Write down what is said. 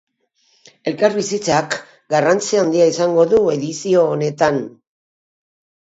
Elkarbizitzak garrantzi handia izango du edizio honetan.